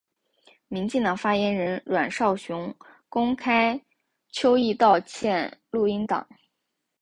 民进党发言人阮昭雄公开邱毅道歉录音档。